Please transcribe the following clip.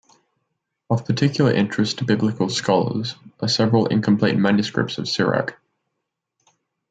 Of particular interest to biblical scholars are several incomplete manuscripts of Sirach.